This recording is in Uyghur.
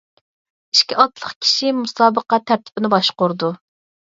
ئىككى ئاتلىق كىشى مۇسابىقە تەرتىپىنى باشقۇرىدۇ.